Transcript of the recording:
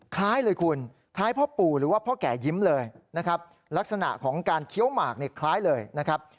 คล้ายเลยคุณคล้ายพ่อปู่หรือว่าพ่อแก่ยิ้มเลยนะครับลักษณะของการเคี้ยวหมากเนี่ยคล้ายเลยนะครับ